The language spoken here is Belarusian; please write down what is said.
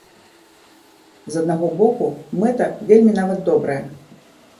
З аднаго боку, мэта вельмі нават добрая.